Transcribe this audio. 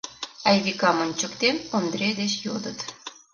— Айвикам ончыктен, Ондре деч йодыт.